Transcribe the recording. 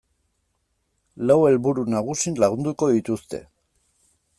Lau helburu nagusi landuko dituzte.